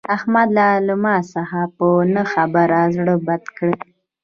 احمد له ما څخه په نه خبره زړه بد کړ.